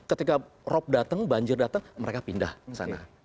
ketika rob datang banjir datang mereka pindah ke sana